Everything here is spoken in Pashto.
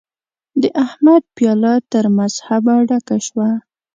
د احمد پياله تر مذهبه ډکه شوه.